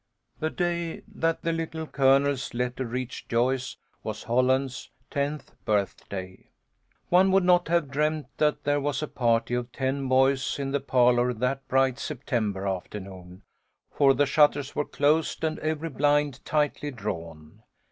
The day that the Little Colonel's letter reached Joyce was Holland's tenth birthday. One would not have dreamed that there was a party of ten boys in the parlour that bright September afternoon, for the shutters were closed, and every blind tightly drawn.